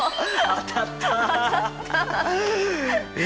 当たった！え？